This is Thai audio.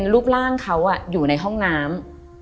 รูปร่างเขาอยู่ในห้องน้ำ